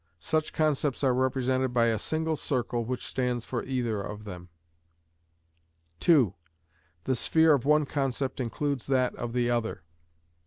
Such concepts are represented by a single circle which stands for either of them. (2.) The sphere of one concept includes that of the other.